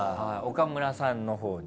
岡村さんのほうに。